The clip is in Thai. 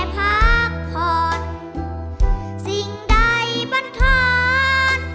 พักผ่อนสิ่งใดบรรทอน